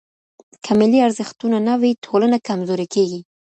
که ملي ارزښتونه نه وي، ټولنه کمزورې کېږي.